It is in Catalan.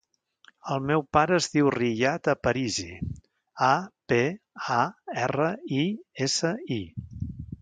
El meu pare es diu Riyad Aparisi: a, pe, a, erra, i, essa, i.